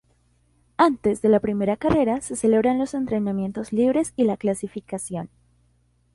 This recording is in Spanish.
Antes de la primera carrera se celebran los entrenamientos libres y la clasificación.